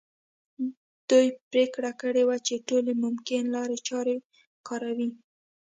دوی پرېکړه کړې وه چې ټولې ممکنه لارې چارې کاروي.